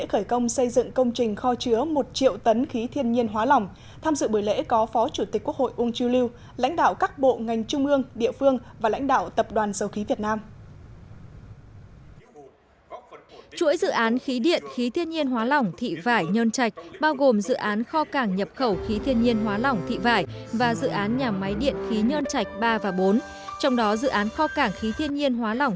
hôm nay tại tỉnh bà rịa vũng tàu đã diễn ra lễ khởi công xây dựng công trình kho chứa một triệu tấn khí thiên nhiên hóa lỏng